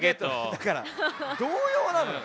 だから童謡なのよ。